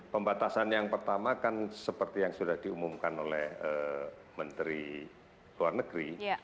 pembatasan yang pertama kan seperti yang sudah diumumkan oleh menteri luar negeri